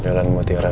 jalan mutiara kebun